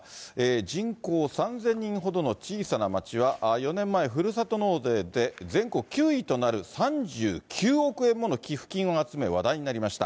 人口３０００人ほどの小さな町は、４年前、ふるさと納税で全国９位となる３９億円もの寄付金を集め、話題になりました。